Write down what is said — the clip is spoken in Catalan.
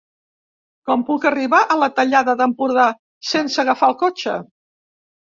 Com puc arribar a la Tallada d'Empordà sense agafar el cotxe?